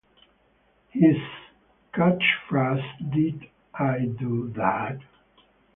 His catchphrase Did I do that?